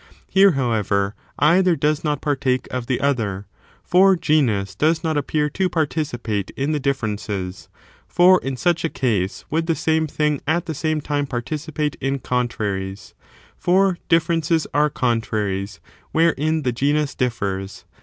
Here, however, either does not partake of the other, for genus does not appear to participate in the difierences ; for in such a case would the same thing at the same time participate in contra ries, for differences are contraries wherein the genus differs.